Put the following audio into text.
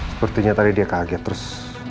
sepertinya tadi dia kaget terus